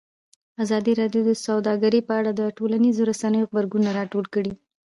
ازادي راډیو د سوداګري په اړه د ټولنیزو رسنیو غبرګونونه راټول کړي.